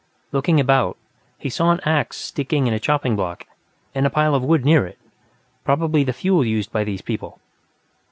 Looking about, he saw an ax sticking in a chopping block, and a pile of wood near it, probably the fuel used by these people.